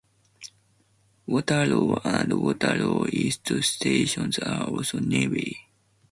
Waterloo and Waterloo East stations are also nearby.